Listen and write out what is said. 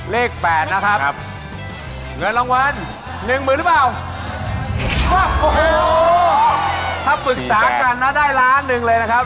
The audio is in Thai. แปดนะครับเงินรางวัลหนึ่งหมื่นหรือเปล่าโอ้โหถ้าปรึกษากันนะได้ล้านหนึ่งเลยนะครับ